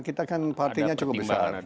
kita kan partainya cukup besar